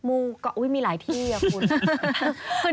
ูก็อุ๊ยมีหลายที่อะคุณ